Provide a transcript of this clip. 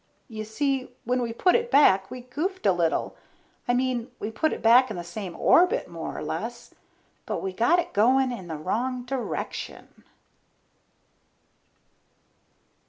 You see, when we put it back, we goofed a little. I mean, we put it back in the same orbit, more or less, but we got it going in the wrong direction.